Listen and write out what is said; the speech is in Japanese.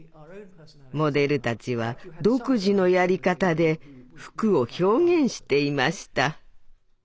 モデルたちは独自のやり方で服を表現していました。